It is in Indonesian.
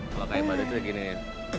kalau kayak badut tuh gini ya